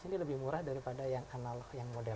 ini lebih murah daripada yang analog yang model